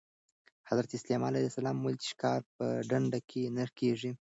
حضرت سلیمان علیه السلام وویل چې ښکار په ډنډ کې نه کېږي.